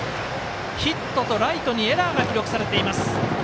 ヒットとライトにエラーが記録されています。